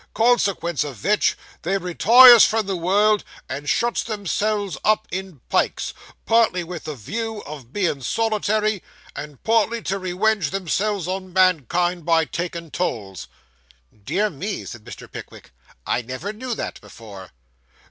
Consequence of vich, they retires from the world, and shuts themselves up in pikes; partly with the view of being solitary, and partly to rewenge themselves on mankind by takin' tolls.' 'Dear me,' said Mr. Pickwick, 'I never knew that before.